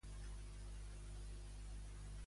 Quan podria agafar el tren que finalitza a Cunit avui?